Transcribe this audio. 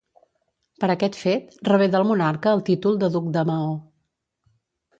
Per aquest fet rebé del monarca el títol de duc de Maó.